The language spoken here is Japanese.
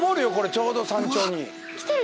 ちょうど山頂に。